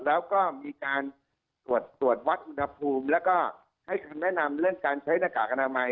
แล้วก็มีการตรวจวัดอุณหภูมิแล้วก็ให้คำแนะนำเรื่องการใช้หน้ากากอนามัย